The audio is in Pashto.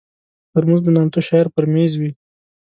ترموز د نامتو شاعر پر مېز وي.